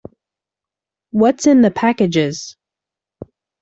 What's in the packages?